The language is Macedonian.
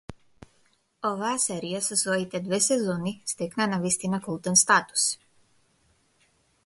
Оваа серија со своите две сезони стекна навистина култен статус.